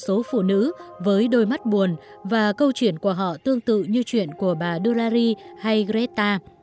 người ta bắt gặp vô số phụ nữ với đôi mắt buồn và câu chuyện của họ tương tự như chuyện của bà dulari hay greta